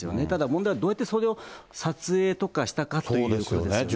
ただ問題は、どうやってそれを撮影とかしたかということですよね。